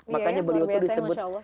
makanya beliau itu disebut